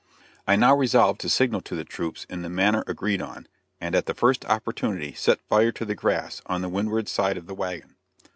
I now resolved to signal to the troops in the manner agreed on, and at the first opportunity set fire to the grass on the windward side of the wagon.